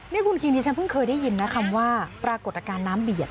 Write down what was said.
นี่คุณคิงที่ฉันเพิ่งเคยได้ยินนะคำว่าปรากฏอาการน้ำเบียด